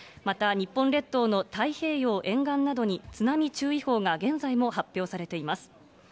また、日本列島の太平洋沿岸などに津波注意報が現在も発表されています。